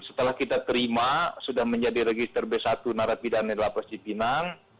setelah kita terima sudah menjadi register b satu narapidana di lapas cipinang